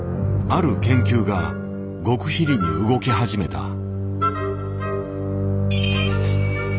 ある研究が極秘裏に動き始めた。